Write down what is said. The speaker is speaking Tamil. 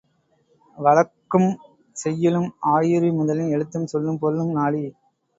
வழக்கும் செய்யுளும் ஆயிரு முதலின் எழுத்தும் சொல்லும் பொருளும் நாடி